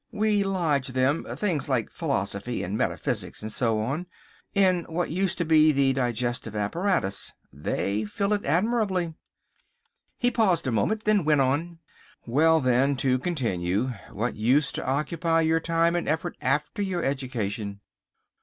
We lodge them—things like philosophy and metaphysics, and so on—in what used to be the digestive apparatus. They fill it admirably." He paused a moment. Then went on: "Well, then, to continue, what used to occupy your time and effort after your education?"